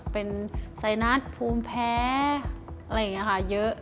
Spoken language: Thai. เป็นไซนัสภูมิแพ้อะไรอย่างนี้ค่ะเยอะ